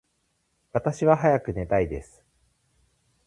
私は早く寝たいです。